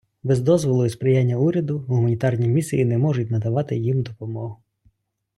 Без дозволу і сприяння уряду гуманітарні місії не можуть надавати їм допомогу.